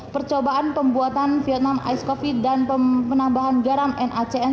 percobaan pembuatan vietnam ice coffee dan penambahan garam nacn